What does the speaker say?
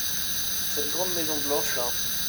Cette grande maison blanche-là.